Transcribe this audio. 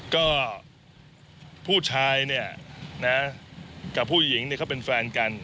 ก็ผู้ชายเนี่ยนะกับผู้หญิงเนี่ยเขาเป็นแฟนกัน